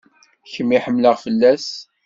Kemm i ḥemmleɣ fell-as.